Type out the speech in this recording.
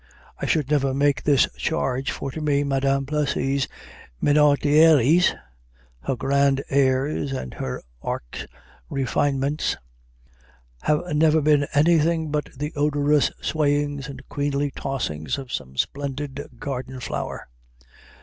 I should never make this charge, for, to me, Madame Plessy's minauderies, her grand airs and her arch refinements, have never been anything but the odorous swayings and queenly tossings of some splendid garden flower.